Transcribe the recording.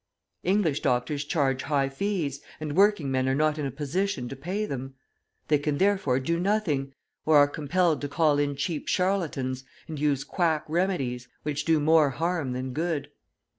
English doctors charge high fees, and working men are not in a position to pay them. They can therefore do nothing, or are compelled to call in cheap charlatans, and use quack remedies, which do more harm than good.